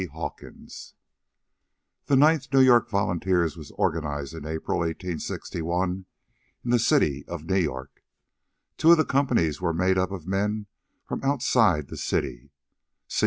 Hawkins The Ninth New York Volunteers was organized in April, 1861, in the City of New York. Two of the companies were made up of men from outside the city.